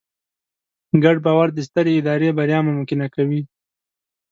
ګډ باور د سترې ادارې بریا ممکنه کوي.